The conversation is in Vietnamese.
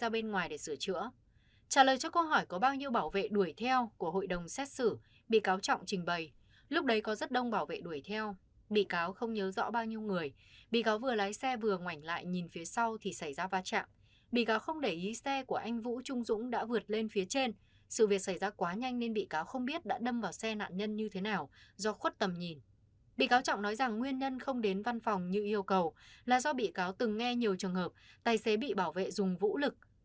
bị cáo trọng nói rằng nguyên nhân không đến văn phòng như yêu cầu là do bị cáo từng nghe nhiều trường hợp tài xế bị bảo vệ dùng vũ lực